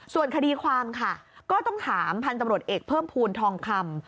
ส่วนคดีความค่ะก็ต้องถามพันธุ์ตำรวจเอกเพิ่มภูมิทองคำ